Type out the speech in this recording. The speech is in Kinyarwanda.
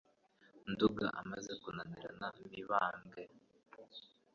Nduga amaze kunanirana, Mibambwe